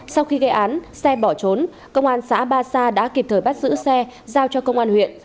sau khi gây án xe bỏ trốn công an xã ba sa đã kịp thời bắt giữ xe giao cho công an huyện